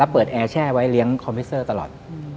แล้วเปิดแอร์แช่ไว้เลี้ยงคอมพิสเซอร์ตลอด